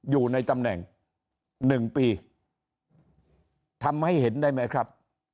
อยู่ในตำแหน่ง๑ปีทำให้เห็นได้ไหมครับ